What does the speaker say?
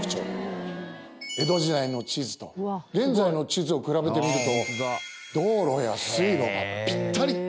江戸時代の地図と現在の地図を比べてみると道路や水路がぴったり。